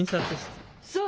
そう。